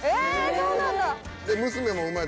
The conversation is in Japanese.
そうなんだ。